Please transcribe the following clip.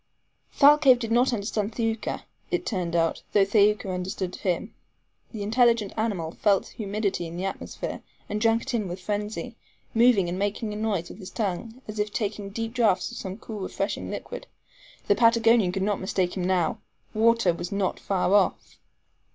Thalcave did not understand Thaouka, it turned out, though Thaouka understood him. The intelligent animal felt humidity in the atmosphere and drank it in with frenzy, moving and making a noise with his tongue, as if taking deep draughts of some cool refreshing liquid. The Patagonian could not mistake him now water was not far off.